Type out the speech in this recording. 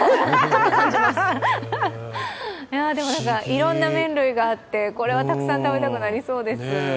いろんな麺類があって、これはたくさん食べたくなりそうです。